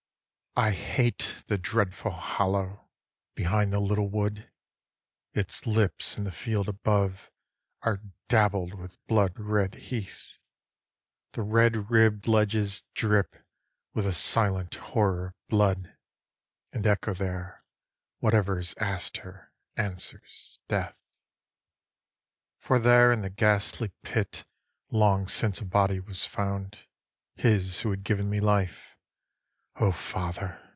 I hate the dreadful hollow behind the little wood, Its lips in the field above are dabbled with blood red heath, The red ribb'd ledges drip with a silent horror of blood, And Echo there, whatever is ask'd her, answers 'Death.' 2. For there in the ghastly pit long since a body was found, His who had given me life O father!